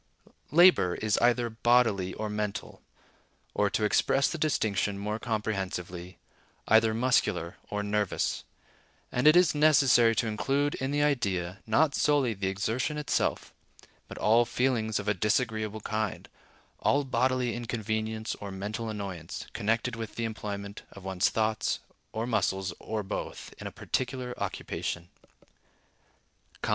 Labor is either bodily or mental; or, to express the distinction more comprehensively, either muscular or nervous; and it is necessary to include in the idea, not solely the exertion itself, but all feelings of a disagreeable kind, all bodily inconvenience or mental annoyance, connected with the employment of one's thoughts, or muscles, or both, in a particular occupation.